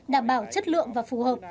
đảm bảo chất lượng và phù hợp